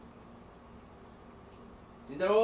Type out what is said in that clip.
慎太郎・